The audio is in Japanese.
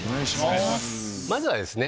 まずはですね